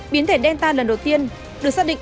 biến thể delta lần đầu tiên được xác định